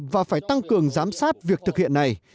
và phải tăng cường giám sát việc thực hiện này